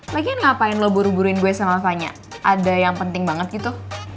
lagian ngapain lo buru buruin gue sama fanya ada yang penting banget gitu